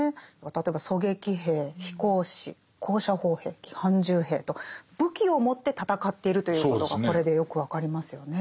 例えば狙撃兵飛行士高射砲兵機関銃兵と武器を持って戦っているということがこれでよく分かりますよね。